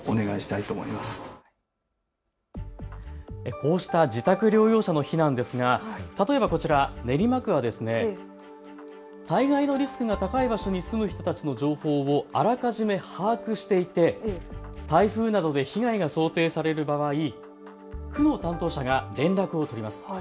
こうした自宅療養者の避難ですが例えばこちら、練馬区は災害のリスクが高い場所に住む人たちの情報をあらかじめ把握していて台風などで被害が想定される場合、区の担当者が連絡を取ります。